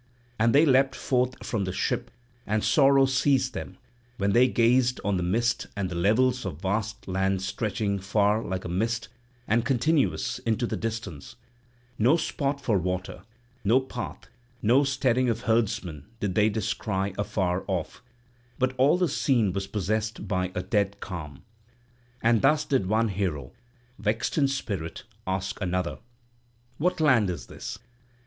And they leapt forth from the ship, and sorrow seized them when they gazed on the mist and the levels of vast land stretching far like a mist and continuous into the distance; no spot for water, no path, no steading of herdsmen did they descry afar off, but all the scene was possessed by a dead calm. And thus did one hero, vexed in spirit, ask another: "What land is this?